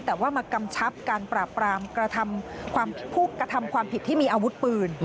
แต่ว่ามากำชับการปราบปรามกระทำผู้กระทำความผิดที่มีอาวุธปืน